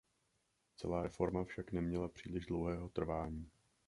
Celá reforma však neměla příliš dlouhého trvání.